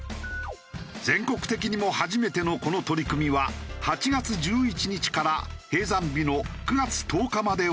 全国的にも初めてのこの取り組みは８月１１日から閉山日の９月１０日まで行われるという。